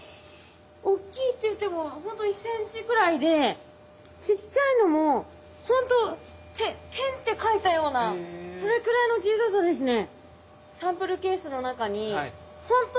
大きいっていってもほんと１センチくらいでちっちゃいのもほんと点って書いたようなそれくらいの小ささですね。